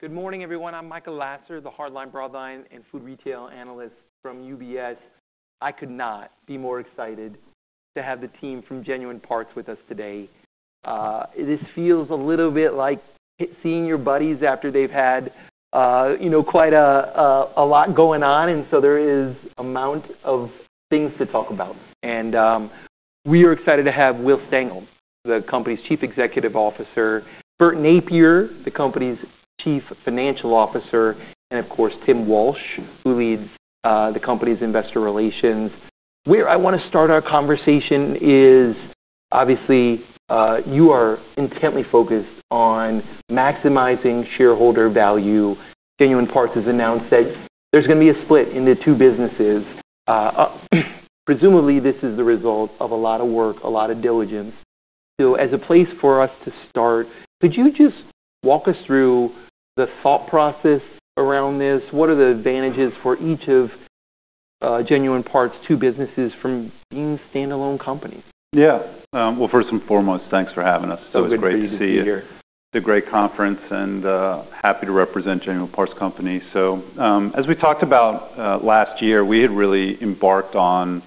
Good morning, everyone. I'm Michael Lasser, the hardline, broadline, and food retail analyst from UBS. I could not be more excited to have the team from Genuine Parts with us today. This feels a little bit like seeing your buddies after they've had, you know, quite a lot going on, and so there's an amount of things to talk about. We are excited to have Will Stengel, the company's Chief Executive Officer, Bert Nappier, the company's Chief Financial Officer, and of course, Timothy Walsh, who leads the company's investor relations. Where I wanna start our conversation is, obviously, you are intently focused on maximizing shareholder value. Genuine Parts has announced that there's gonna be a split into two businesses. Presumably, this is the result of a lot of work, a lot of diligence. As a place for us to start, could you just walk us through the thought process around this? What are the advantages for each of, Genuine Parts' two businesses from being standalone companies? Yeah. Well, first and foremost, thanks for having us. It's a great pleasure to be here. It's great to see you. It's a great conference, and happy to represent Genuine Parts Company. As we talked about last year, we had really embarked on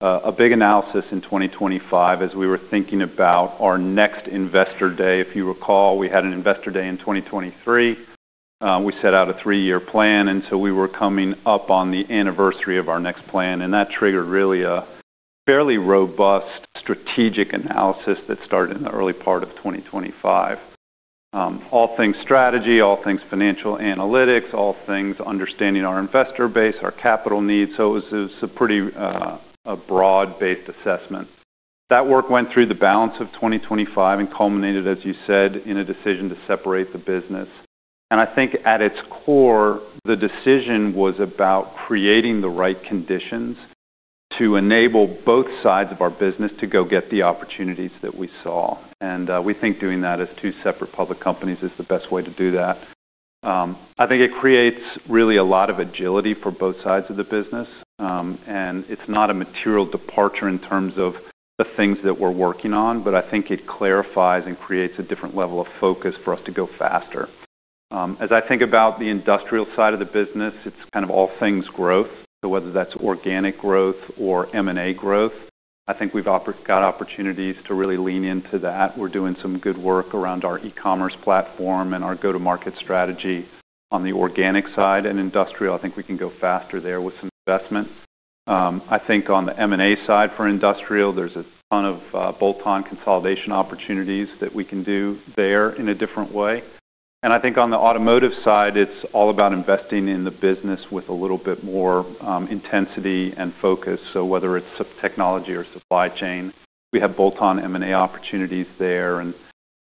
a big analysis in 2025 as we were thinking about our next investor day. If you recall, we had an investor day in 2023. We set out a three-year plan, and so we were coming up on the anniversary of our next plan, and that triggered really a fairly robust strategic analysis that started in the early part of 2025. All things strategy, all things financial analytics, all things understanding our investor base, our capital needs. It was a pretty broad-based assessment. That work went through the balance of 2025 and culminated, as you said, in a decision to separate the business. I think at its core, the decision was about creating the right conditions to enable both sides of our business to go get the opportunities that we saw. We think doing that as two separate public companies is the best way to do that. I think it creates really a lot of agility for both sides of the business, and it's not a material departure in terms of the things that we're working on, but I think it clarifies and creates a different level of focus for us to go faster. As I think about the industrial side of the business, it's kind of all things growth. Whether that's organic growth or M&A growth, I think we've got opportunities to really lean into that. We're doing some good work around our e-commerce platform and our go-to-market strategy on the organic side and industrial. I think we can go faster there with some investment. I think on the M&A side for industrial, there's a ton of bolt-on consolidation opportunities that we can do there in a different way. I think on the automotive side, it's all about investing in the business with a little bit more intensity and focus. Whether it's technology or supply chain, we have bolt-on M&A opportunities there.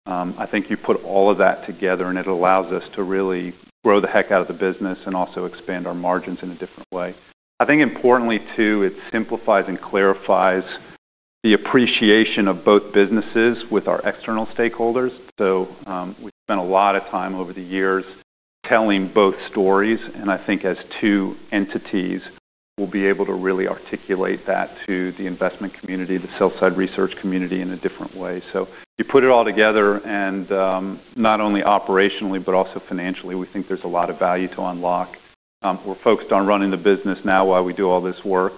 I think you put all of that together, and it allows us to really grow the heck out of the business and also expand our margins in a different way. I think importantly too, it simplifies and clarifies the appreciation of both businesses with our external stakeholders. We spent a lot of time over the years telling both stories, and I think as two entities, we'll be able to really articulate that to the investment community, the sell-side research community in a different way. You put it all together, and not only operationally but also financially, we think there's a lot of value to unlock. We're focused on running the business now while we do all this work,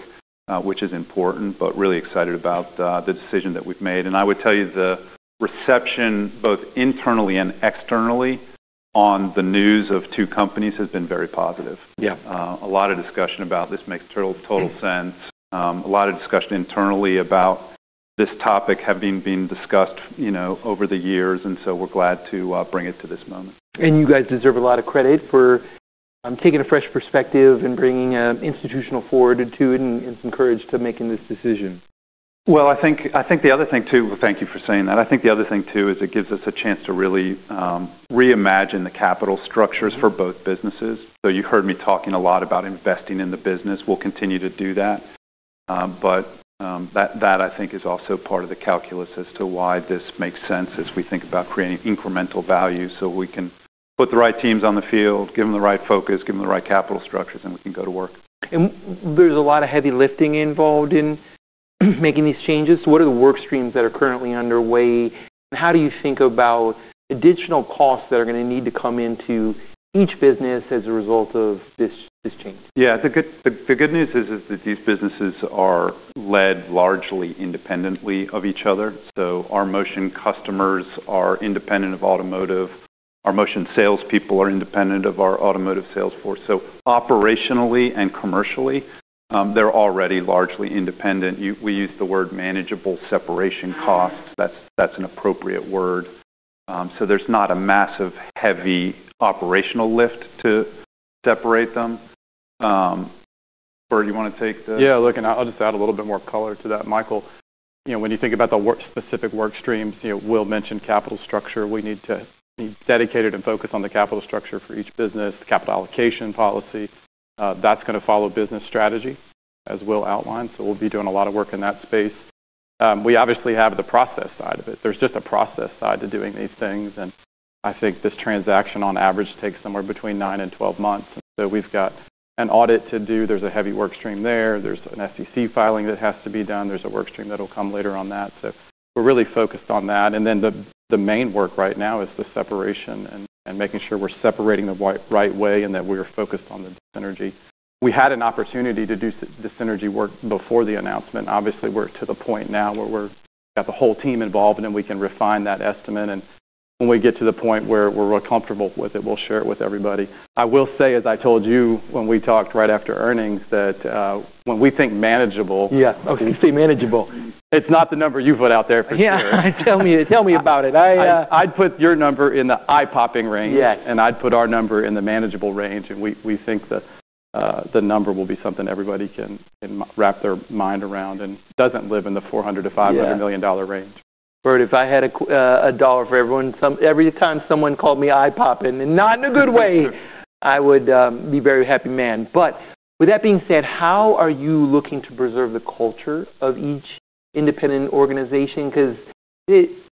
which is important, but really excited about the decision that we've made. I would tell you the reception, both internally and externally, on the news of two companies has been very positive. Yeah. A lot of discussion about this makes total sense. A lot of discussion internally about this topic having been discussed, you know, over the years, and so we're glad to bring it to this moment. You guys deserve a lot of credit for taking a fresh perspective and bringing institutional forward into it and some courage to making this decision. Well, thank you for saying that. I think the other thing too is it gives us a chance to really reimagine the capital structures. Mm-hmm. For both businesses. You heard me talking a lot about investing in the business. We'll continue to do that. That I think is also part of the calculus as to why this makes sense as we think about creating incremental value, so we can put the right teams on the field, give them the right focus, give them the right capital structures, and we can go to work. There's a lot of heavy lifting involved in making these changes. What are the work streams that are currently underway? How do you think about additional costs that are gonna need to come into each business as a result of this change? Yeah. The good news is that these businesses are led largely independently of each other. Our Motion customers are independent of automotive. Our Motion salespeople are independent of our automotive sales force. Operationally and commercially, they're already largely independent. We use the word manageable separation costs. That's an appropriate word. Bert, you wanna take this? Yeah, look, I'll just add a little bit more color to that, Michael. You know, when you think about specific work streams, you know, Will mentioned capital structure. We need to be dedicated and focused on the capital structure for each business, capital allocation policy. That's gonna follow business strategy, as Will outlined. We'll be doing a lot of work in that space. We obviously have the process side of it. There's just a process side to doing these things, and I think this transaction on average takes somewhere between 9 and 12 months. We've got an audit to do. There's a heavy work stream there. There's an SEC filing that has to be done. There's a work stream that'll come later on that. We're really focused on that. The main work right now is the separation and making sure we're separating the right way and that we are focused on the synergy. We had an opportunity to do the synergy work before the announcement. Obviously, we're to the point now where we've got the whole team involved, and then we can refine that estimate. When we get to the point where we're comfortable with it, we'll share it with everybody. I will say, as I told you when we talked right after earnings, that when we think manageable. Yeah. Okay, say manageable. It's not the number you put out there for sure. Yeah. Tell me about it. I'd put your number in the eye-popping range. Yes. I'd put our number in the manageable range, and we think the number will be something everybody can wrap their mind around and doesn't lie in the $400 million to $500 million range. Bert, if I had a dollar for every time someone called me eye-popping, and not in a good way, I would be a very happy man. With that being said, how are you looking to preserve the culture of each independent organization? 'Cause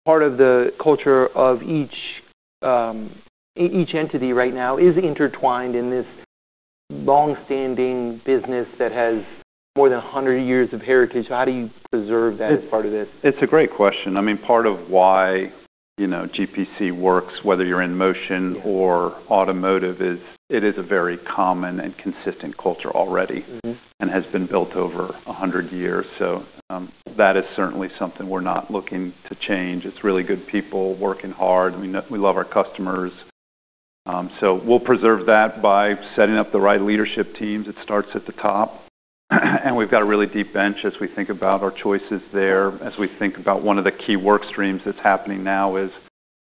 part of the culture of each entity right now is intertwined in this longstanding business that has more than 100 years of heritage. How do you preserve that as part of this? It's a great question. I mean, part of why, you know, GPC works, whether you're in Motion. Yes Automotive is a very common and consistent culture already. Mm-hmm. Has been built over 100 years. That is certainly something we're not looking to change. It's really good people working hard. We love our customers. We'll preserve that by setting up the right leadership teams. It starts at the top. We've got a really deep bench as we think about our choices there, as we think about one of the key work streams that's happening now is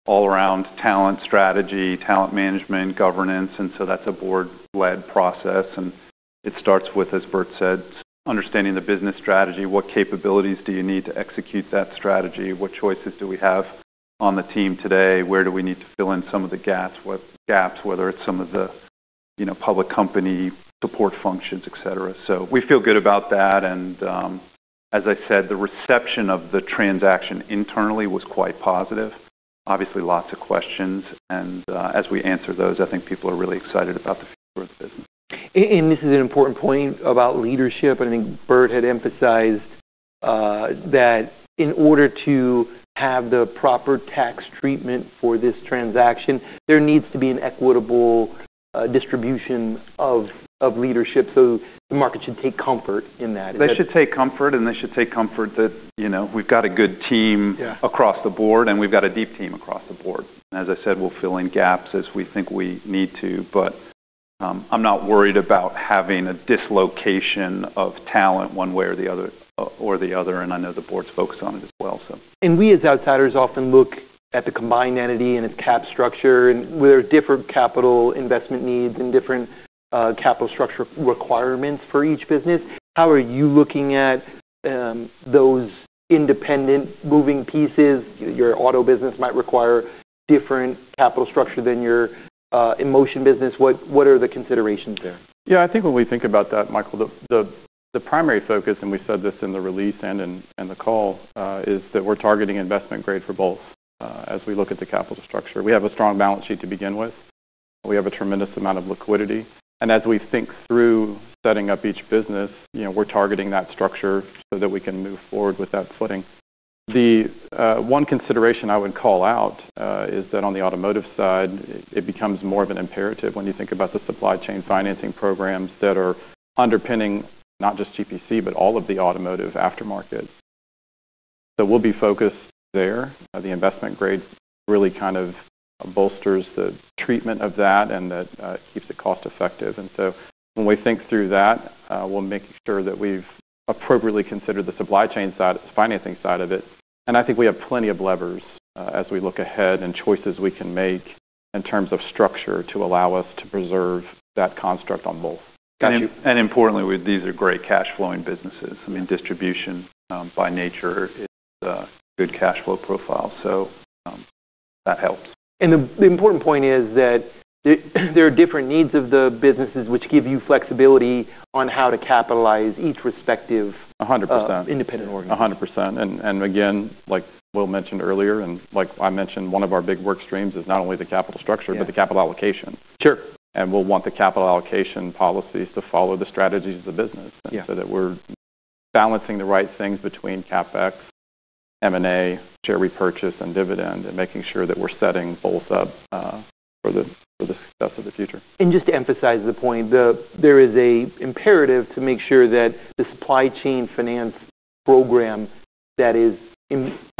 all around talent strategy, talent management, governance, and so that's a board-led process. It starts with, as Burt said, understanding the business strategy. What capabilities do you need to execute that strategy? What choices do we have on the team today? Where do we need to fill in some of the gaps, what gaps, whether it's some of the, you know, public company support functions, et cetera. We feel good about that. As I said, the reception of the transaction internally was quite positive. Obviously, lots of questions. As we answer those, I think people are really excited about the future of the business. This is an important point about leadership. I think Bert had emphasized that in order to have the proper tax treatment for this transaction, there needs to be an equitable distribution of leadership. The market should take comfort in that. Is that? They should take comfort that, you know, we've got a good team. Yeah Across the board, and we've got a deep team across the board. As I said, we'll fill in gaps as we think we need to, but I'm not worried about having a dislocation of talent one way or the other. I know the board's focused on it as well, so. We, as outsiders, often look at the combined entity and its capital structure and where different capital investment needs and different capital structure requirements for each business. How are you looking at those independent moving pieces? Your auto business might require different capital structure than your Motion business. What are the considerations there? Yeah. I think when we think about that, Michael, the primary focus, and we said this in the release and in the call, is that we're targeting investment grade for both, as we look at the capital structure. We have a strong balance sheet to begin with. We have a tremendous amount of liquidity. We think through setting up each business, you know, we're targeting that structure so that we can move forward with that footing. The one consideration I would call out is that on the automotive side, it becomes more of an imperative when you think about the supply chain financing programs that are underpinning not just GPC, but all of the automotive aftermarket. We'll be focused there. The investment grade really kind of bolsters the treatment of that and that keeps it cost-effective. When we think through that, we'll make sure that we've appropriately considered the supply chain side, financing side of it. I think we have plenty of levers, as we look ahead and choices we can make in terms of structure to allow us to preserve that construct on both. Got you. Importantly, these are great cash flowing businesses. I mean, distribution by nature is a good cash flow profile. That helps. The important point is that there are different needs of the businesses which give you flexibility on how to capitalize each respective. 100% independent organization. 100%. Again, like Will mentioned earlier, and like I mentioned, one of our big work streams is not only the capital structure- Yeah The capital allocation. Sure. We'll want the capital allocation policies to follow the strategies of the business. Yeah that we're balancing the right things between CapEx, M&A, share repurchase, and dividend, and making sure that we're setting both up for the success of the future. Just to emphasize the point, there is an imperative to make sure that the supply chain finance program that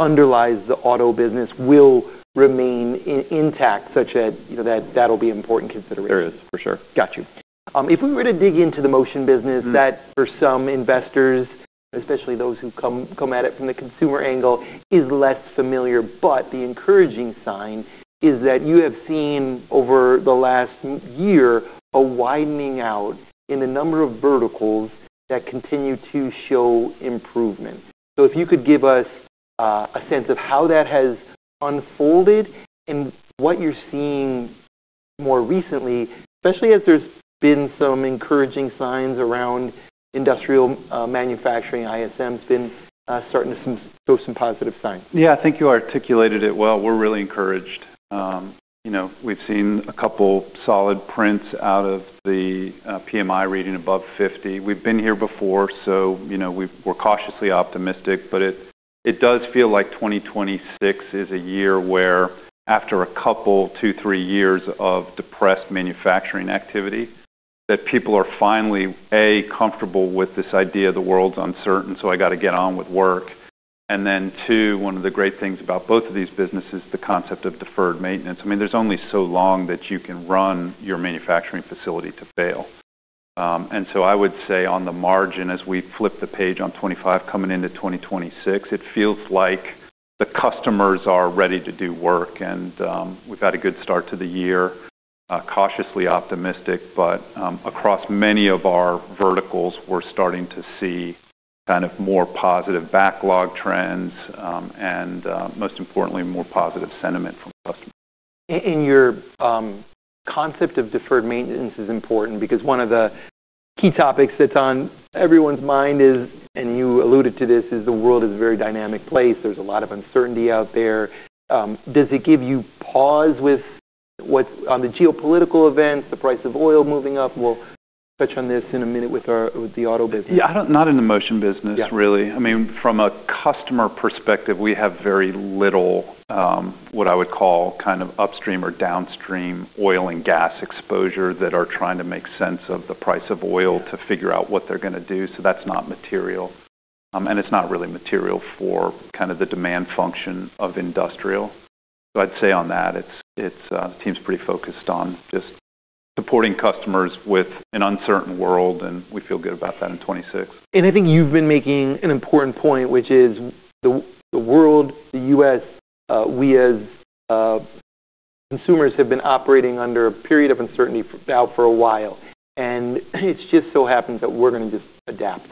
underlies the auto business will remain intact, such that, you know, that that'll be important consideration. It is, for sure. Got you. If we were to dig into the Motion business. Mm-hmm... that for some investors, especially those who come at it from the consumer angle, is less familiar. The encouraging sign is that you have seen over the last multi-year a widening out in the number of verticals that continue to show improvement. If you could give us a sense of how that has unfolded and what you're seeing more recently, especially as there's been some encouraging signs around industrial manufacturing, ISM's been starting to show some positive signs. Yeah. I think you articulated it well. We're really encouraged. You know, we've seen a couple solid prints out of the PMI reading above 50. We've been here before, so you know, we're cautiously optimistic, but it does feel like 2026 is a year where after a couple, 2 to 3 years of depressed manufacturing activity, that people are finally, A, comfortable with this idea the world's uncertain, so I got to get on with work. Then two, one of the great things about both of these businesses, the concept of deferred maintenance. I mean, there's only so long that you can run your manufacturing facility to fail. I would say on the margin, as we flip the page on 25 coming into 2026, it feels like the customers are ready to do work. We've had a good start to the year, cautiously optimistic, but across many of our verticals, we're starting to see kind of more positive backlog trends, and most importantly, more positive sentiment from customers. Your concept of deferred maintenance is important because one of the key topics that's on everyone's mind, and you alluded to this, is the world a very dynamic place. There's a lot of uncertainty out there. Does it give you pause with what's going on, the geopolitical events, the price of oil moving up? We'll touch on this in a minute with the auto business. Yeah, not in the Motion business, really. Yeah. I mean, from a customer perspective, we have very little, what I would call kind of upstream or downstream oil and gas exposure that are trying to make sense of the price of oil to figure out what they're gonna do. That's not material. It's not really material for kind of the demand function of industrial. I'd say on that, it's team's pretty focused on just supporting customers with an uncertain world, and we feel good about that in 2026. I think you've been making an important point, which is the world, the US, we as consumers have been operating under a period of uncertainty now for a while. It just so happens that we're gonna just adapt.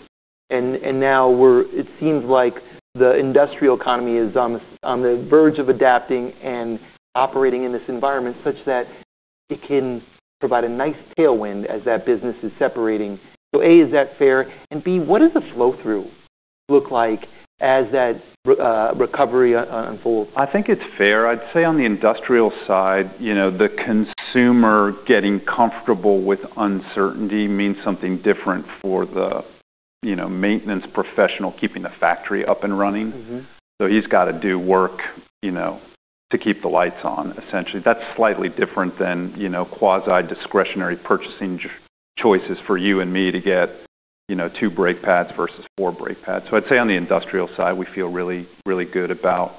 Now it seems like the industrial economy is on the verge of adapting and operating in this environment such that it can provide a nice tailwind as that business is separating. A, is that fair? B, what does the flow-through look like as that recovery unfolds? I think it's fair. I'd say on the industrial side, you know, the consumer getting comfortable with uncertainty means something different for the, you know, maintenance professional keeping the factory up and running. Mm-hmm. He's got to do work, you know, to keep the lights on, essentially. That's slightly different than, you know, quasi discretionary purchasing choices for you and me to get, you know, two brake pads versus four brake pads. I'd say on the industrial side, we feel really, really good about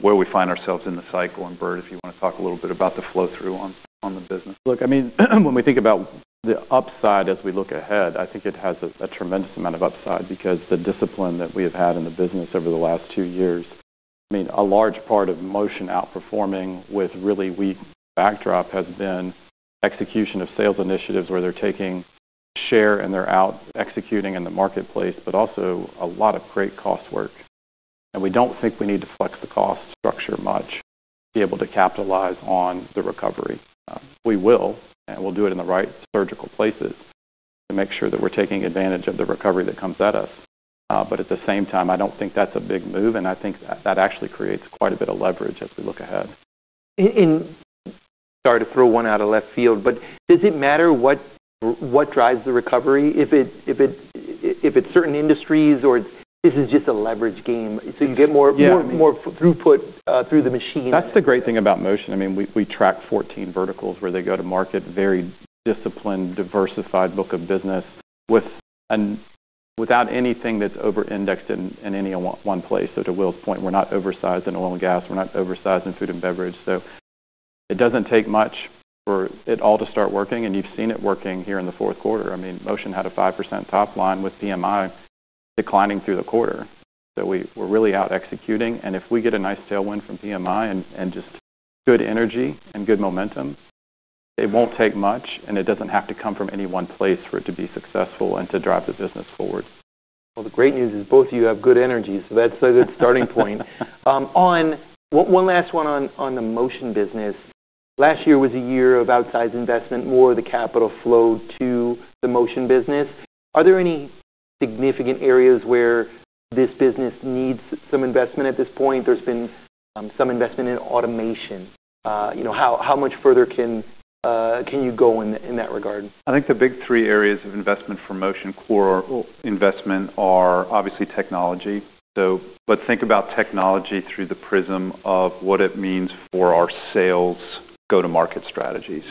where we find ourselves in the cycle. Bert, if you wanna talk a little bit about the flow-through on the business. Look, I mean, when we think about the upside as we look ahead, I think it has a tremendous amount of upside because the discipline that we have had in the business over the last two years, I mean, a large part of Motion outperforming with really weak backdrop has been execution of sales initiatives where they're taking share, and they're out executing in the marketplace, but also a lot of great cost work. We don't think we need to flex the cost structure much to be able to capitalize on the recovery. We will, and we'll do it in the right surgical places to make sure that we're taking advantage of the recovery that comes at us. But at the same time, I don't think that's a big move, and I think that actually creates quite a bit of leverage as we look ahead. Sorry to throw one out of left field, but does it matter what drives the recovery? If it's certain industries or is it just a leverage game? You get more. Yeah. More throughput through the machine. That's the great thing about Motion. I mean, we track 14 verticals where they go to market, very disciplined, diversified book of business without anything that's over-indexed in any one place. To Will's point, we're not oversized in oil and gas, we're not oversized in food and beverage. It doesn't take much for it all to start working, and you've seen it working here in the fourth quarter. I mean, Motion had a 5% top line with PMI declining through the quarter. We're really out executing. If we get a nice tailwind from PMI and just good energy and good momentum, it won't take much, and it doesn't have to come from any one place for it to be successful and to drive the business forward. Well, the great news is both of you have good energy, so that's a good starting point. One last one on the Motion business. Last year was a year of outsized investment, more of the capital flowed to the Motion business. Are there any significant areas where this business needs some investment at this point? There's been some investment in automation. You know, how much further can you go in that regard? I think the big three areas of investment for Motion core investment are obviously technology. Let's think about technology through the prism of what it means for our sales go-to-market strategy.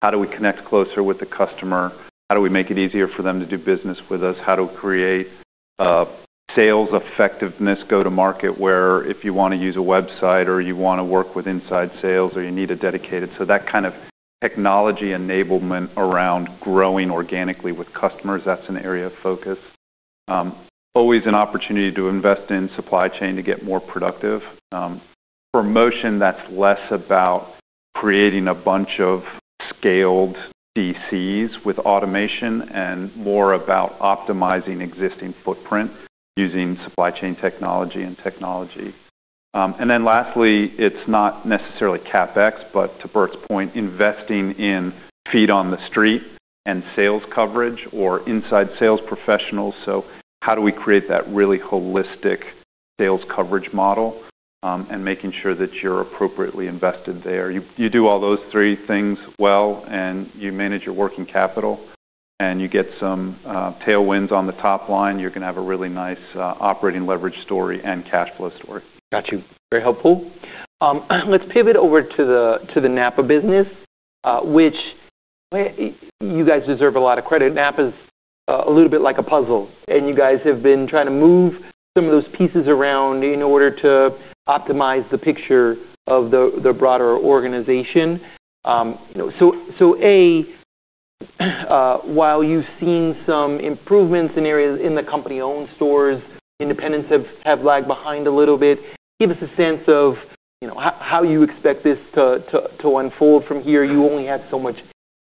How do we connect closer with the customer? How do we make it easier for them to do business with us? How to create sales effectiveness go-to-market, where if you wanna use a website or you wanna work with inside sales or you need it dedicated. That kind of technology enablement around growing organically with customers, that's an area of focus. Always an opportunity to invest in supply chain to get more productive. For Motion, that's less about creating a bunch of scaled DCs with automation and more about optimizing existing footprint using supply chain technology and technology. Lastly, it's not necessarily CapEx, but to Bert's point, investing in feet on the street and sales coverage or inside sales professionals. How do we create that really holistic sales coverage model, and making sure that you're appropriately invested there. You do all those three things well and you manage your working capital. You get some tailwinds on the top line, you're gonna have a really nice operating leverage story and cash flow story. Got you. Very helpful. Let's pivot over to the NAPA business, which you guys deserve a lot of credit. NAPA's a little bit like a puzzle, and you guys have been trying to move some of those pieces around in order to optimize the picture of the broader organization. You know, while you've seen some improvements in areas in the company-owned stores, independents have lagged behind a little bit. Give us a sense of, you know, how you expect this to unfold from here. You only have so much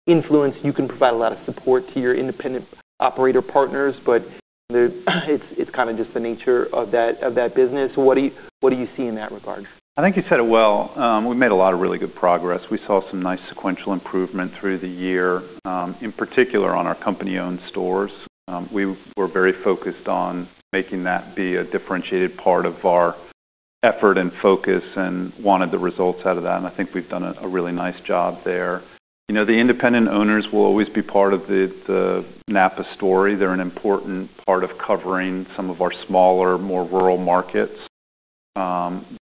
influence. You can provide a lot of support to your independent operator partners, but it's kinda just the nature of that business. What do you see in that regard? I think you said it well. We made a lot of really good progress. We saw some nice sequential improvement through the year, in particular on our company-owned stores. We were very focused on making that be a differentiated part of our effort and focus and wanted the results out of that, and I think we've done a really nice job there. You know, the independent owners will always be part of the NAPA story. They're an important part of covering some of our smaller, more rural markets.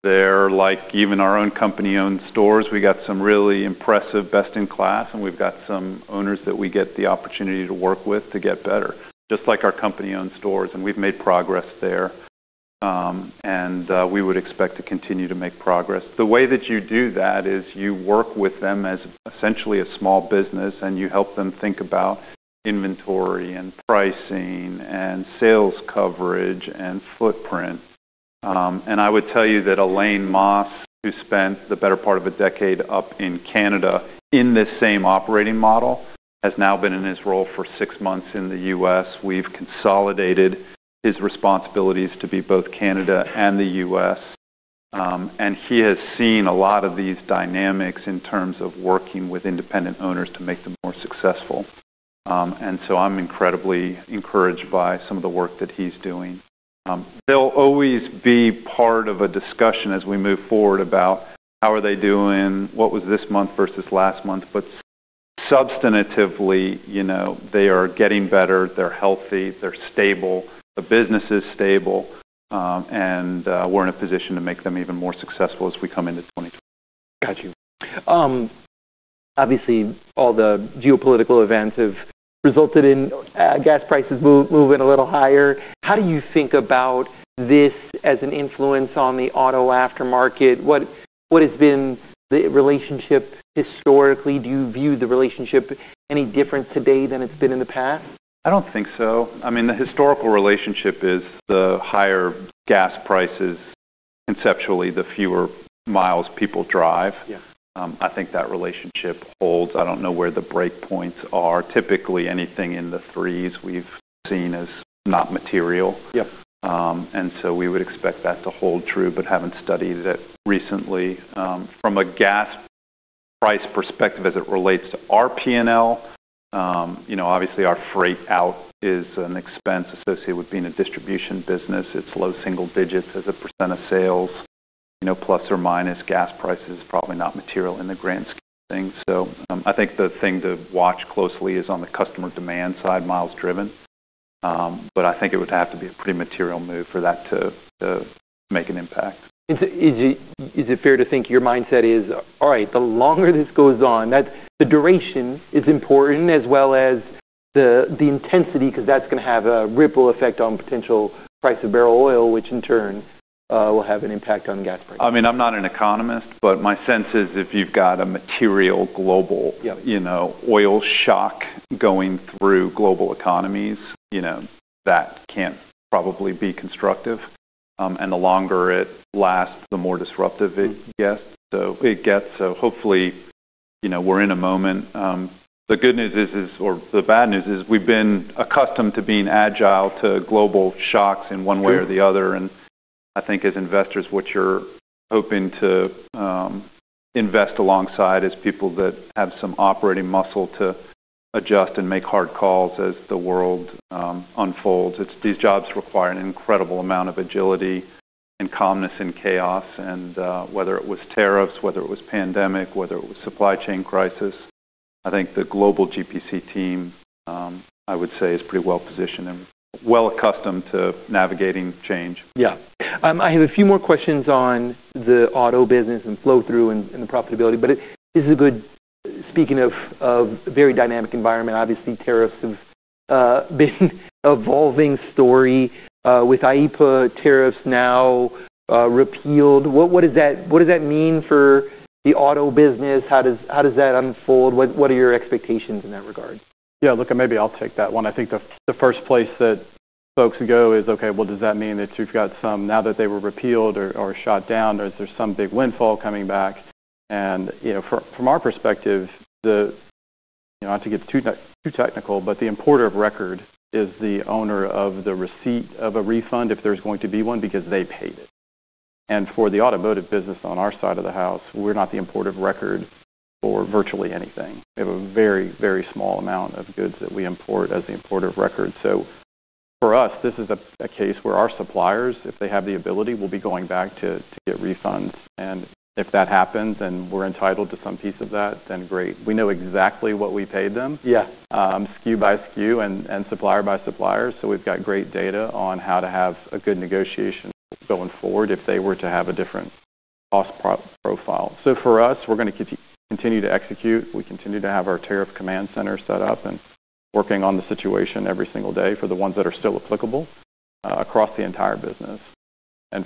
They're like even our own company-owned stores. We got some really impressive best in class, and we've got some owners that we get the opportunity to work with to get better, just like our company-owned stores, and we've made progress there. We would expect to continue to make progress. The way that you do that is you work with them as essentially a small business, and you help them think about inventory and pricing and sales coverage and footprint. I would tell you that Alain Masse, who spent the better part of a decade up in Canada in this same operating model, has now been in his role for 6 months in the US. We've consolidated his responsibilities to be both Canada and the US. He has seen a lot of these dynamics in terms of working with independent owners to make them more successful. I'm incredibly encouraged by some of the work that he's doing. They'll always be part of a discussion as we move forward about how are they doing, what was this month versus last month. Substantively, you know, they are getting better, they're healthy, they're stable, the business is stable, and we're in a position to make them even more successful as we come into 2020. Got you. Obviously, all the geopolitical events have resulted in gas prices moving a little higher. How do you think about this as an influence on the auto aftermarket? What has been the relationship historically? Do you view the relationship any different today than it's been in the past? I don't think so. I mean, the historical relationship is the higher gas prices, conceptually, the fewer miles people drive. Yeah. I think that relationship holds. I don't know where the break points are. Typically, anything in the threes we've seen as not material. Yep. We would expect that to hold true, but haven't studied it recently. From a gas price perspective as it relates to our P&L, you know, obviously our freight out is an expense associated with being a distribution business. It's low single digits as a % of sales. You know, plus or minus gas price is probably not material in the grand scheme of things. I think the thing to watch closely is on the customer demand side, miles driven. I think it would have to be a pretty material move for that to make an impact. Is it fair to think your mindset is, all right, the longer this goes on, that the duration is important as well as the intensity, 'cause that's gonna have a ripple effect on potential price of barrel oil, which in turn, will have an impact on gas prices? I mean, I'm not an economist, but my sense is if you've got a material global. Yeah. You know, oil shock going through global economies, you know, that can't probably be constructive. The longer it lasts, the more disruptive it gets. Hopefully, you know, we're in a moment. The good news is or the bad news is we've been accustomed to being agile to global shocks in one way or the other. I think as investors, what you're hoping to invest alongside is people that have some operating muscle to adjust and make hard calls as the world unfolds. It's these jobs require an incredible amount of agility and calmness and chaos. Whether it was tariffs, whether it was pandemic, whether it was supply chain crisis, I think the global GPC team I would say is pretty well positioned and well accustomed to navigating change. Yeah. I have a few more questions on the auto business and flow through and the profitability. It is a good speaking of a very dynamic environment. Obviously, tariffs have been an evolving story with IEEPA tariffs now repealed. What does that mean for the auto business? How does that unfold? What are your expectations in that regard? Yeah, look, maybe I'll take that one. I think the first place that folks go is, okay, well, does that mean that you've got some now that they were repealed or shot down, there's some big windfall coming back. You know, from our perspective, you know, not to get too technical, but the importer of record is the owner of the receipt of a refund if there's going to be one because they paid it. For the automotive business on our side of the house, we're not the importer of record for virtually anything. We have a very, very small amount of goods that we import as the importer of record. For us, this is a case where our suppliers, if they have the ability, will be going back to get refunds. If that happens, and we're entitled to some piece of that, then great. We know exactly what we paid them. Yeah SKU by SKU and supplier by supplier. We've got great data on how to have a good negotiation going forward if they were to have a different cost profile. For us, we're gonna continue to execute. We continue to have our tariff command center set up and working on the situation every single day for the ones that are still applicable across the entire business.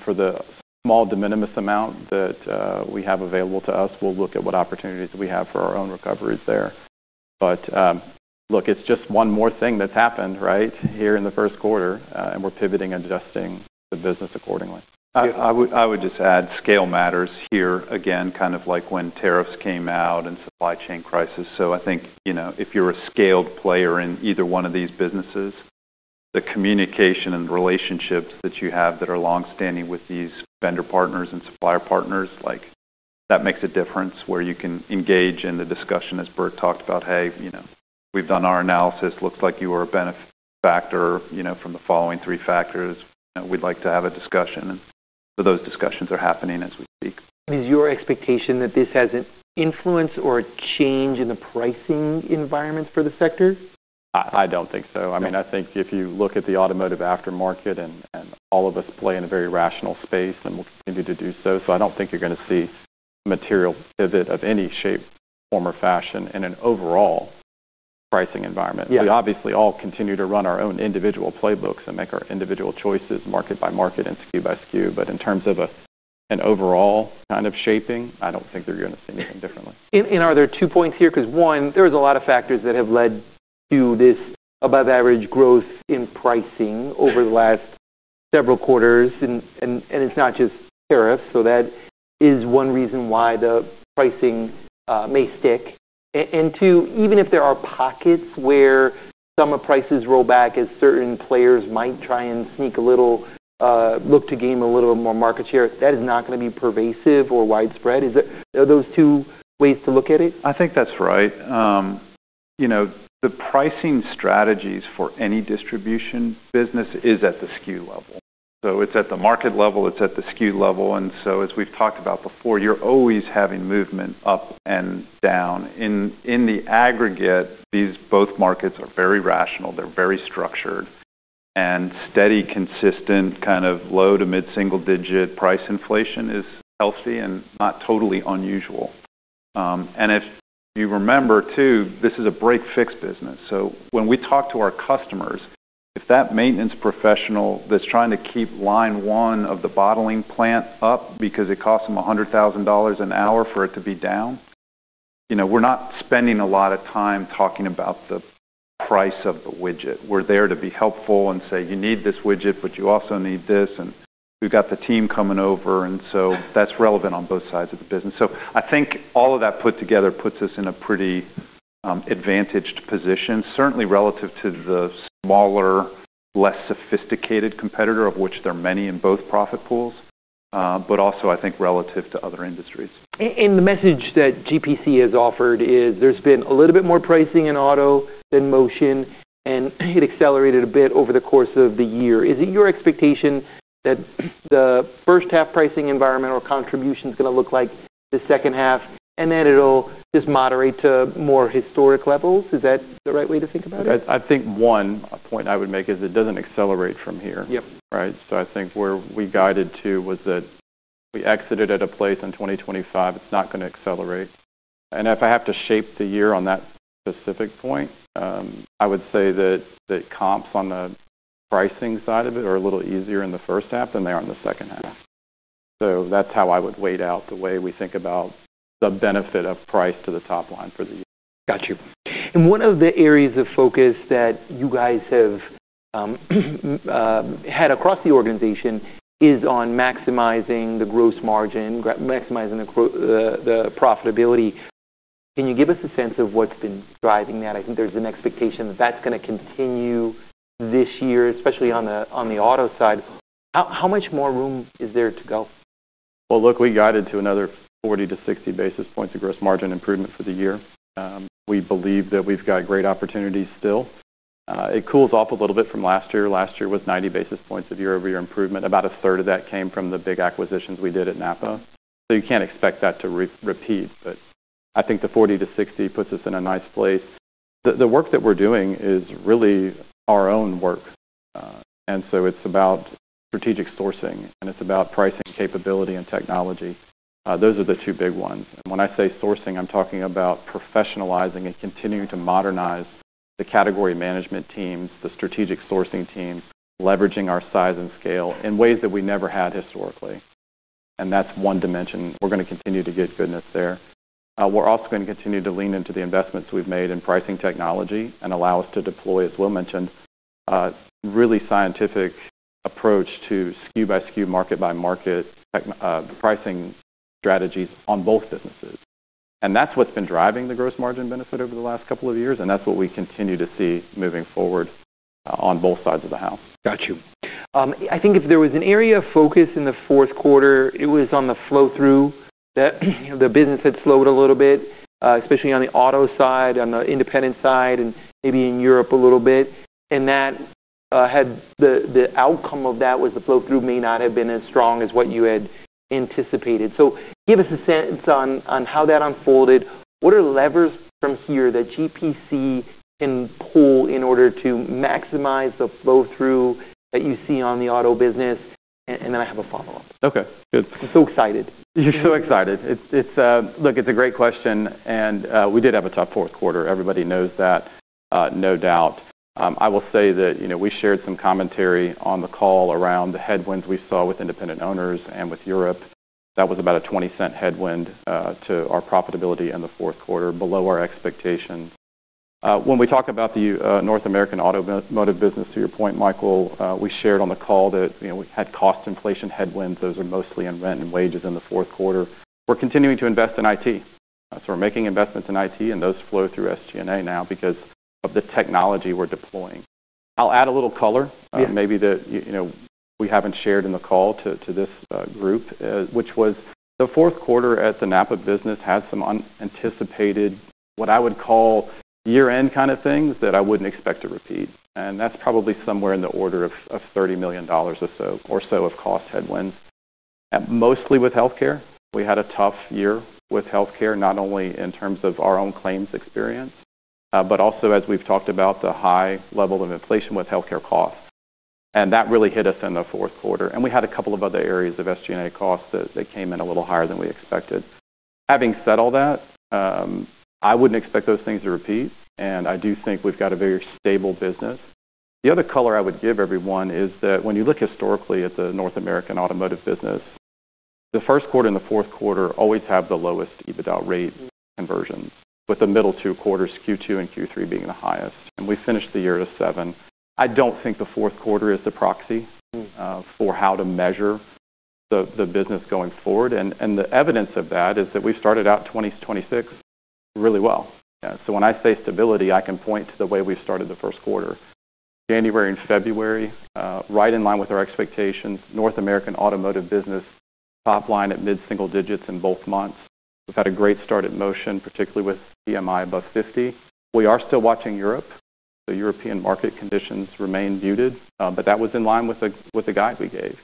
For the small de minimis amount that we have available to us, we'll look at what opportunities we have for our own recoveries there. Look, it's just one more thing that's happened, right, here in the first quarter, and we're pivoting and adjusting the business accordingly. I would just add scale matters here again, kind of like when tariffs came out and supply chain crisis. I think, you know, if you're a scaled player in either one of these businesses, the communication and relationships that you have that are long-standing with these vendor partners and supplier partners, like, that makes a difference where you can engage in the discussion as Burt talked about, "Hey, you know, we've done our analysis. Looks like you benefited, you know, from the following three factors. You know, we'd like to have a discussion." Those discussions are happening as we speak. Is your expectation that this has an influence or a change in the pricing environment for the sector? I don't think so. I mean, I think if you look at the automotive aftermarket and all of us play in a very rational space, and we'll continue to do so. I don't think you're gonna see material pivot of any shape, form, or fashion in an overall pricing environment. Yeah. We obviously all continue to run our own individual playbooks and make our individual choices market by market and SKU by SKU. In terms of an overall kind of shaping, I don't think you're gonna see anything differently. Are there two points here because one, there's a lot of factors that have led to this above-average growth in pricing over the last several quarters and it's not just tariffs, so that is one reason why the pricing may stick. Two, even if there are pockets where some prices roll back as certain players might try and sneak a little bit to gain a little more market share, that is not gonna be pervasive or widespread. Are those two ways to look at it? I think that's right. You know, the pricing strategies for any distribution business is at the SKU level. It's at the market level, it's at the SKU level, and so as we've talked about before, you're always having movement up and down. In the aggregate, these both markets are very rational, they're very structured, and steady, consistent, kind of low to mid-single digit price inflation is healthy and not totally unusual. If you remember too, this is a break-fix business. When we talk to our customers, if that maintenance professional that's trying to keep line one of the bottling plant up because it costs them $100,000 an hour for it to be down, you know, we're not spending a lot of time talking about the price of the widget. We're there to be helpful and say, "You need this widget, but you also need this, and we've got the team coming over." That's relevant on both sides of the business. I think all of that put together puts us in a pretty, advantaged position, certainly relative to the smaller, less sophisticated competitor, of which there are many in both profit pools, but also I think relative to other industries. The message that GPC has offered is there's been a little bit more pricing in auto than Motion, and it accelerated a bit over the course of the year. Is it your expectation that the first half pricing environment contribution's gonna look like the second half, and then it'll just moderate to more historic levels? Is that the right way to think about it? I think one point I would make is it doesn't accelerate from here. Yep. Right? I think where we guided to was that we exited at a place in 2025. It's not gonna accelerate. If I have to shape the year on that specific point, I would say that the comps on the pricing side of it are a little easier in the first half than they are in the second half. That's how I would weight out the way we think about the benefit of price to the top line for the year. Got you. One of the areas of focus that you guys have had across the organization is on maximizing the gross margin, maximizing the profitability. Can you give us a sense of what's been driving that? I think there's an expectation that that's gonna continue this year, especially on the auto side. How much more room is there to go? Well, look, we guided to another 40-60 basis points of gross margin improvement for the year. We believe that we've got great opportunities still. It cools off a little bit from last year. Last year was 90 basis points of year-over-year improvement. About a third of that came from the big acquisitions we did at NAPA. You can't expect that to repeat, but I think the 40-60 puts us in a nice place. The work that we're doing is really our own work. It's about strategic sourcing, and it's about pricing capability and technology. Those are the two big ones. When I say sourcing, I'm talking about professionalizing and continuing to modernize the category management teams, the strategic sourcing teams, leveraging our size and scale in ways that we never had historically. That's one dimension. We're gonna continue to get goodness there. We're also gonna continue to lean into the investments we've made in pricing technology and allow us to deploy, as Will mentioned, really scientific approach to SKU by SKU, market by market pricing strategies on both businesses. That's what's been driving the gross margin benefit over the last couple of years, and that's what we continue to see moving forward on both sides of the house. Got you. I think if there was an area of focus in the fourth quarter, it was on the flow-through that the business had slowed a little bit, especially on the auto side, on the independent side, and maybe in Europe a little bit. That had the outcome of that was the flow-through may not have been as strong as what you had anticipated. Give us a sense on how that unfolded. What are levers from here that GPC can pull in order to maximize the flow-through that you see on the auto business? And then I have a follow-up. Okay, good. I'm so excited. You're so excited. Look, it's a great question, and we did have a tough fourth quarter. Everybody knows that, no doubt. I will say that, you know, we shared some commentary on the call around the headwinds we saw with independent owners and with Europe. That was about a $0.20 headwind to our profitability in the fourth quarter, below our expectations. When we talk about the North American Automotive business, to your point, Michael, we shared on the call that, you know, we had cost inflation headwinds. Those are mostly in rent and wages in the fourth quarter. We're continuing to invest in IT. So we're making investments in IT, and those flow through SG&A now because of the technology we're deploying. I'll add a little color. Yeah. Maybe that, you know, we haven't shared in the call to this group, which was the fourth quarter at the NAPA business had some unanticipated, what I would call year-end kind of things that I wouldn't expect to repeat. That's probably somewhere in the order of $30 million or so of cost headwinds. Mostly with healthcare. We had a tough year with healthcare, not only in terms of our own claims experience, but also as we've talked about the high level of inflation with healthcare costs. That really hit us in the fourth quarter. We had a couple of other areas of SG&A costs that came in a little higher than we expected. Having said all that, I wouldn't expect those things to repeat, and I do think we've got a very stable business. The other color I would give everyone is that when you look historically at the North American Automotive business, the first quarter and the fourth quarter always have the lowest EBITDA rate conversions, with the middle two quarters, Q2 and Q3 being the highest. We finished the year at a 7%. I don't think the fourth quarter is the proxy. Mm. For how to measure the business going forward. The evidence of that is that we started out 2026 really well. So when I say stability, I can point to the way we started the first quarter. January and February, right in line with our expectations. North America Automotive business top line at mid-single digits in both months. We've had a great start at Motion, particularly with PMI above 50. We are still watching Europe. The European market conditions remain muted, but that was in line with the guide we gave.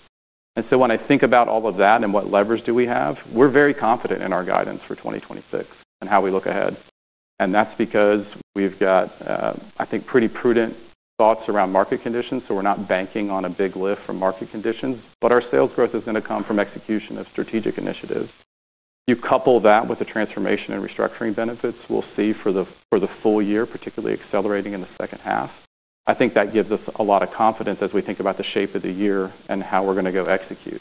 When I think about all of that and what levers do we have, we're very confident in our guidance for 2026 and how we look ahead. That's because we've got, I think, pretty prudent thoughts around market conditions, so we're not banking on a big lift from market conditions. Our sales growth is gonna come from execution of strategic initiatives. You couple that with the transformation and restructuring benefits we'll see for the full year, particularly accelerating in the second half. I think that gives us a lot of confidence as we think about the shape of the year and how we're gonna go execute.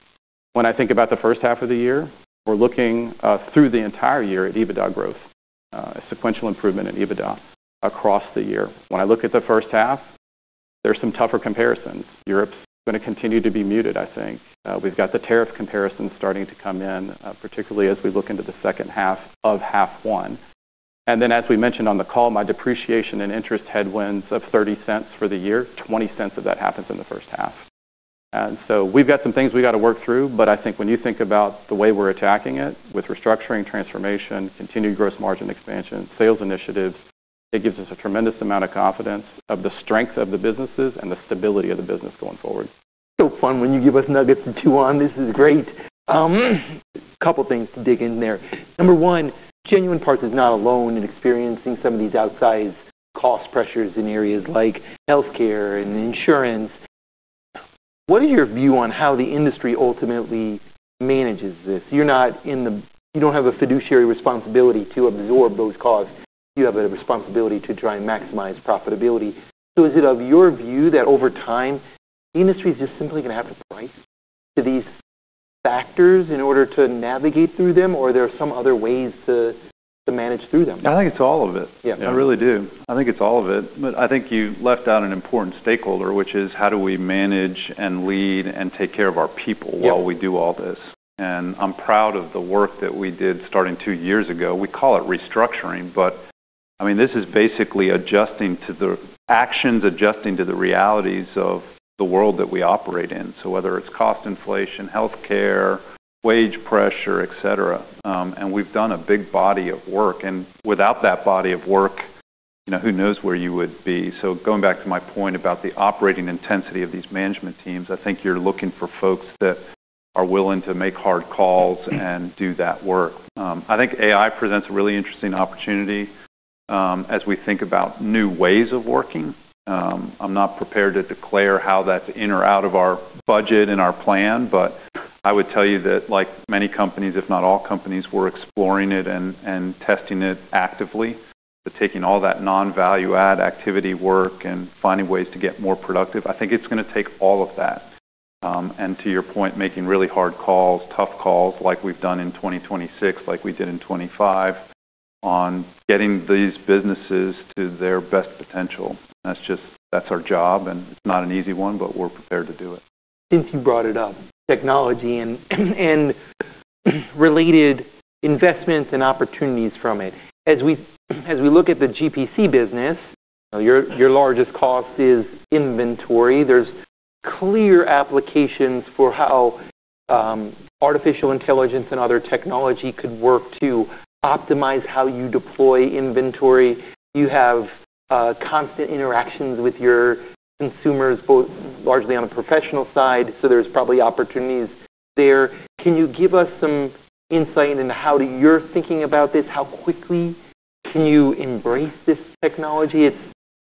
When I think about the first half of the year, we're looking through the entire year at EBITDA growth, sequential improvement in EBITDA across the year. When I look at the first half, there's some tougher comparisons. Europe's gonna continue to be muted, I think. We've got the tariff comparisons starting to come in, particularly as we look into the second half of half one. As we mentioned on the call, my depreciation and interest headwinds of $0.30 for the year, $0.20 of that happens in the first half. We've got some things we gotta work through, but I think when you think about the way we're attacking it with restructuring, transformation, continued gross margin expansion, sales initiatives, it gives us a tremendous amount of confidence of the strength of the businesses and the stability of the business going forward. Fun when you give us nuggets to chew on. This is great. Couple things to dig in there. Number one, Genuine Parts is not alone in experiencing some of these outsized cost pressures in areas like healthcare and insurance. What is your view on how the industry ultimately manages this? You don't have a fiduciary responsibility to absorb those costs. You have a responsibility to try and maximize profitability. Is it in your view that over time, the industry is just simply gonna have to price to these factors in order to navigate through them, or there are some other ways to manage through them? I think it's all of it. Yeah. I really do. I think it's all of it. I think you left out an important stakeholder, which is how do we manage and lead and take care of our people. Yeah. While we do all this. I'm proud of the work that we did starting two years ago. We call it restructuring, but I mean, this is basically adjusting to the realities of the world that we operate in. Whether it's cost inflation, healthcare, wage pressure, et cetera, and we've done a big body of work. Without that body of work, you know, who knows where you would be. Going back to my point about the operating intensity of these management teams, I think you're looking for folks that are willing to make hard calls and do that work. I think AI presents a really interesting opportunity, as we think about new ways of working. I'm not prepared to declare how that's in or out of our budget and our plan, but I would tell you that like many companies, if not all companies, we're exploring it and testing it actively. Taking all that non-value add activity work and finding ways to get more productive, I think it's gonna take all of that. To your point, making really hard calls, tough calls like we've done in 2026, like we did in 2025, on getting these businesses to their best potential. That's just our job, and it's not an easy one, but we're prepared to do it. Since you brought it up, technology and related investments and opportunities from it. As we look at the GPC business, you know, your largest cost is inventory. There's clear applications for how artificial intelligence and other technology could work to optimize how you deploy inventory. You have constant interactions with your consumers, both largely on a professional side, so there's probably opportunities there. Can you give us some insight into how you're thinking about this? How quickly can you embrace this technology? It's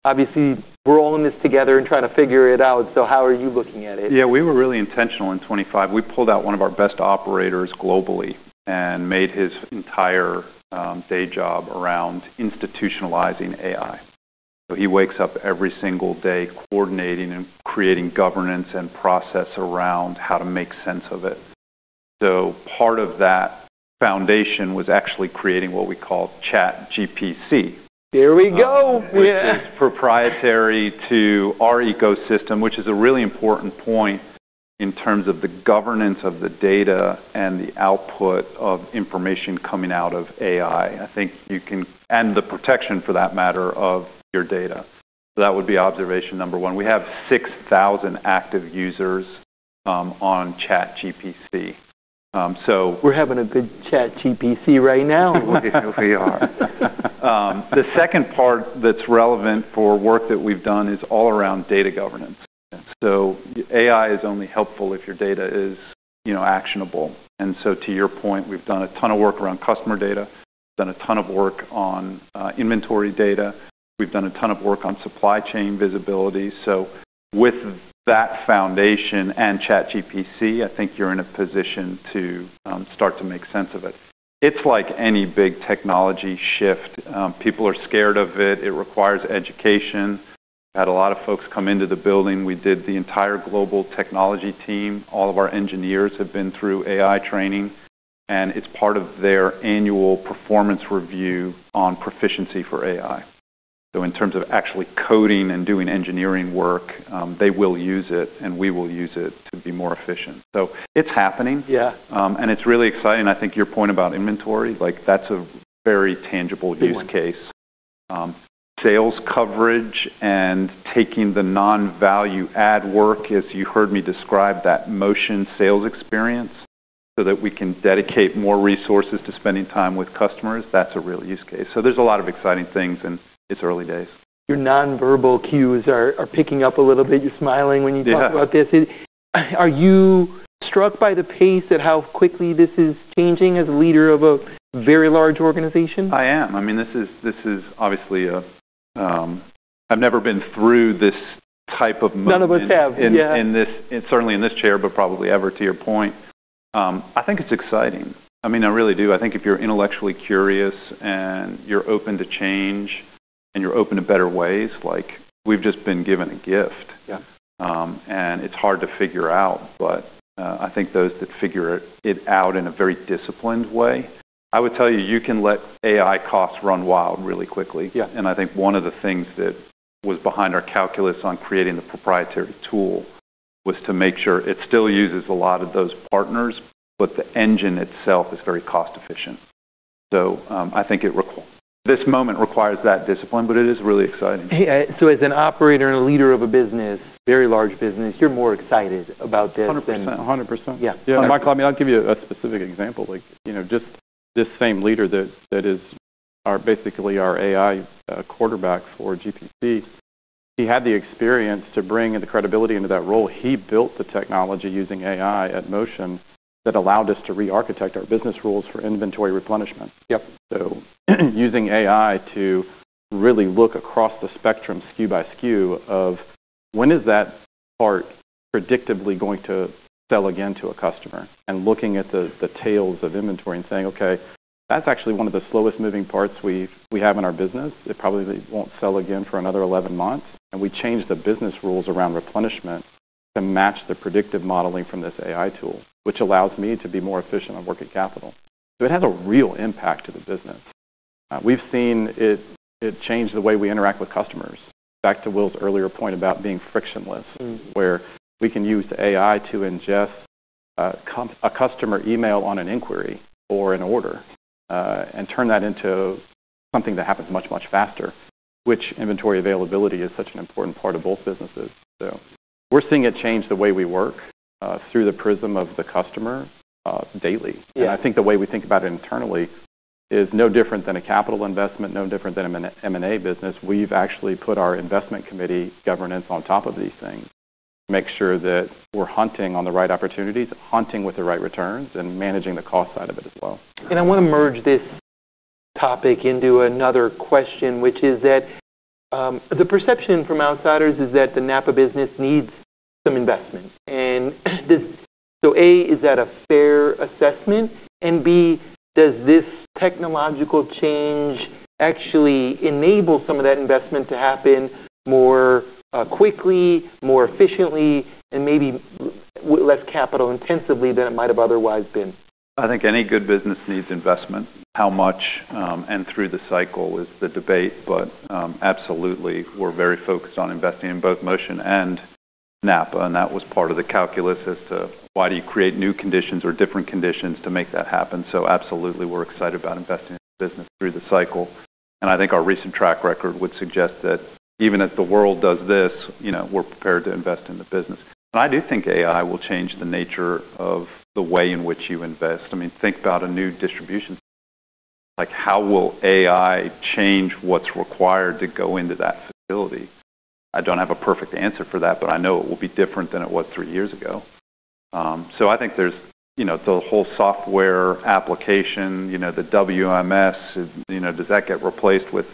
obviously we're all in this together and trying to figure it out, so how are you looking at it? Yeah. We were really intentional in 2025. We pulled out one of our best operators globally and made his entire day job around institutionalizing AI. He wakes up every single day coordinating and creating governance and process around how to make sense of it. Part of that foundation was actually creating what we call ChatGPC. Here we go with- It is proprietary to our ecosystem, which is a really important point in terms of the governance of the data and the output of information coming out of AI. The protection for that matter of your data. That would be observation number one. We have 6,000 active users on ChatGPC. We're having a good ChatGPC right now. We are. The second part that's relevant for work that we've done is all around data governance. AI is only helpful if your data is, you know, actionable. To your point, we've done a ton of work around customer data, done a ton of work on inventory data. We've done a ton of work on supply chain visibility. With that foundation and ChatGPC, I think you're in a position to start to make sense of it. It's like any big technology shift. People are scared of it. It requires education. Had a lot of folks come into the building. We did the entire global technology team. All of our engineers have been through AI training, and it's part of their annual performance review on proficiency for AI. In terms of actually coding and doing engineering work, they will use it, and we will use it to be more efficient. It's happening. Yeah. It's really exciting. I think your point about inventory, like that's a very tangible use case. Sales coverage and taking the non-value add work, as you heard me describe that Motion sales experience, so that we can dedicate more resources to spending time with customers, that's a real use case. There's a lot of exciting things in its early days. Your non-verbal cues are picking up a little bit. You're smiling when you talk about this. Yeah. Are you struck by the pace at how quickly this is changing as a leader of a very large organization? I am. I mean, this is obviously a, I've never been through this type of moment. None of us have. Yeah. Certainly in this chair, but probably ever to your point. I think it's exciting. I mean, I really do. I think if you're intellectually curious and you're open to change and you're open to better ways, like, we've just been given a gift. Yeah. It's hard to figure out, but I think those that figure it out in a very disciplined way, I would tell you can let AI costs run wild really quickly. Yeah. I think one of the things that was behind our calculus on creating the proprietary tool was to make sure it still uses a lot of those partners, but the engine itself is very cost efficient. This moment requires that discipline, but it is really exciting. As an operator and a leader of a business, very large business, you're more excited about this than 100%. Yeah. Yeah. Mike, I mean, I'll give you a specific example. Like, you know, just this same leader that is our, basically our AI quarterback for GPC, he had the experience to bring and the credibility into that role. He built the technology using AI at Motion that allowed us to re-architect our business rules for inventory replenishment. Yep. Using AI to really look across the spectrum SKU by SKU of when is that part predictably going to sell again to a customer? Looking at the tails of inventory and saying, "Okay, that's actually one of the slowest moving parts we have in our business. It probably won't sell again for another 11 months." We change the business rules around replenishment to match the predictive modeling from this AI tool, which allows me to be more efficient on working capital. It has a real impact to the business. We've seen it change the way we interact with customers. Back to Will's earlier point about being frictionless. Mm-hmm where we can use the AI to ingest a customer email on an inquiry or an order, and turn that into something that happens much faster, which inventory availability is such an important part of both businesses. We're seeing it change the way we work through the prism of the customer daily. Yeah. I think the way we think about it internally is no different than a capital investment, no different than M&A business. We've actually put our investment committee governance on top of these things to make sure that we're hunting on the right opportunities, hunting with the right returns, and managing the cost side of it as well. I wanna merge this topic into another question, which is that the perception from outsiders is that the NAPA business needs some investment. A, is that a fair assessment? B, does this technological change actually enable some of that investment to happen more quickly, more efficiently, and maybe less capital intensively than it might have otherwise been? I think any good business needs investment. How much, and through the cycle is the debate. Absolutely, we're very focused on investing in both Motion and NAPA, and that was part of the calculus as to why do you create new conditions or different conditions to make that happen. Absolutely, we're excited about investing in the business through the cycle. I think our recent track record would suggest that even if the world does this, you know, we're prepared to invest in the business. I do think AI will change the nature of the way in which you invest. I mean, think about a new distribution. Like, how will AI change what's required to go into that facility? I don't have a perfect answer for that, but I know it will be different than it was three years ago. I think there's, you know, the whole software application, you know, the WMS, you know, does that get replaced with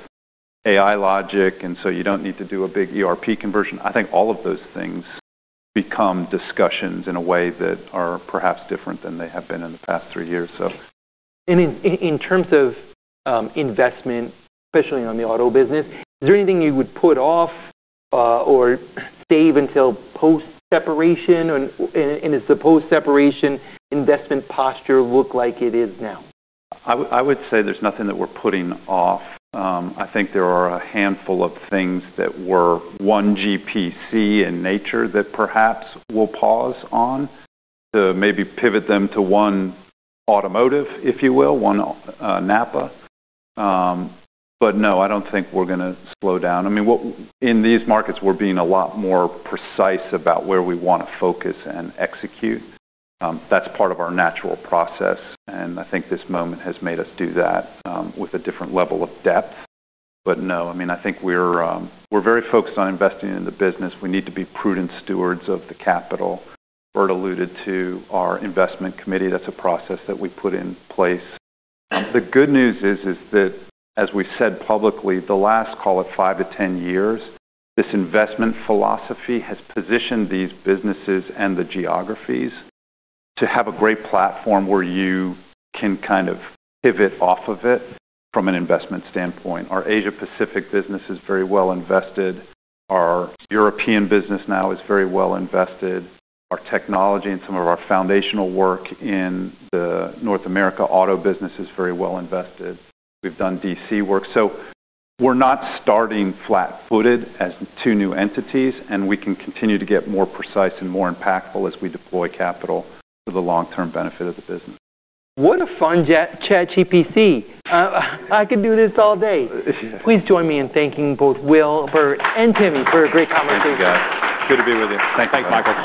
AI logic, and so you don't need to do a big ERP conversion? I think all of those things become discussions in a way that are perhaps different than they have been in the past three years, so. In terms of investment, especially on the auto business, is there anything you would put off or save until post-separation? Does the post-separation investment posture look like it is now? I would say there's nothing that we're putting off. I think there are a handful of things that were one GPC in nature that perhaps we'll pause on to maybe pivot them to one automotive, if you will, one NAPA. No, I don't think we're gonna slow down. I mean, in these markets, we're being a lot more precise about where we wanna focus and execute. That's part of our natural process, and I think this moment has made us do that with a different level of depth. No, I mean, I think we're very focused on investing in the business. We need to be prudent stewards of the capital. Bert alluded to our investment committee. That's a process that we put in place. The good news is that, as we said publicly, the last, call it, 5-10 years, this investment philosophy has positioned these businesses and the geographies to have a great platform where you can kind of pivot off of it from an investment standpoint. Our Asia Pacific business is very well invested. Our European business now is very well invested. Our technology and some of our foundational work in the North America auto business is very well invested. We've done DC work. We're not starting flat-footed as two new entities, and we can continue to get more precise and more impactful as we deploy capital for the long-term benefit of the business. What a fun chat, ChatGPC. I could do this all day. Please join me in thanking both Will, Bert, and Tim for a great conversation. Thank you, guys. Good to be with you. Thanks, Michael.